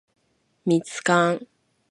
蜜柑